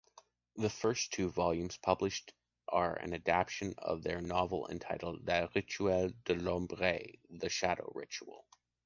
The first two volumes published are an adaptation of their novel entitled Le Rituel de l'ombre (The Shadow Ritual).